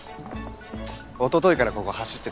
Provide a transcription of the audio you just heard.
おとといからここ走ってたんだ。